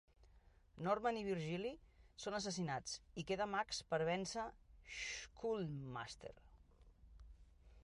Norman i Virgil són assassinats, i queda Max per vèncer Skullmaster.